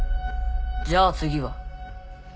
じゃあ次は。